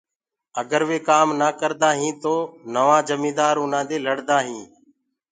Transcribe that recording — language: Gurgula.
اگر وي ڪآم نآ ڪردآهيٚنٚ تو نوآ جميدآر اُنآ دي لڙدآ هينٚ۔